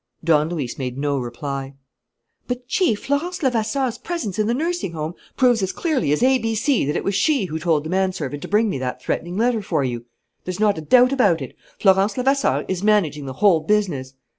Don Luis made no reply. "But, Chief, Florence Levasseur's presence in the nursing home proves as clearly as A B C that it was she who told the manservant to bring me that threatening letter for you! There's not a doubt about it: Florence Levasseur is managing the whole business.